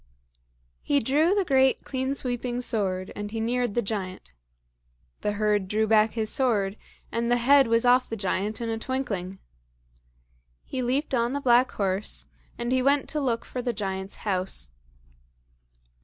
He drew the great clean sweeping sword, and he neared the giant. The herd drew back his sword, and the head was off the giant in a twinkling. He leaped on the black horse, and he went to look for the giant's house.